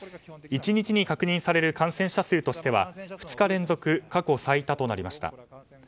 １日に確認される感染者数としては２日連続過去最多となりました。